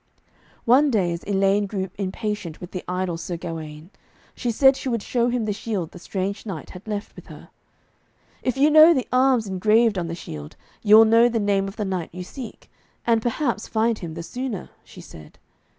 One day, as Elaine grew impatient with the idle Sir Gawaine, she said she would show him the shield the strange knight had left with her. 'If you know the arms engraved on the shield, you will know the name of the knight you seek, and perhaps find him the sooner,' she said.